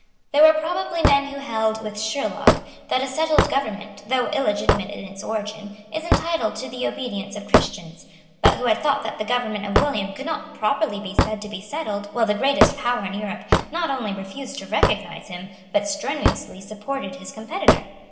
They were probably men who held, with Sherlock, that a settled government, though illegitimate in its origin, is entitled to the obedience of Christians, but who had thought that the government of William could not properly be said to be settled while the greatest power in Europe not only refused to recognise him, but strenuously supported his competitor.